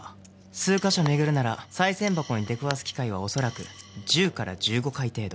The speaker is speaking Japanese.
数カ所巡るなら賽銭箱に出くわす機会は恐らく１０から１５回程度。